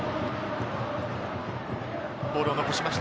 ボールを残しました。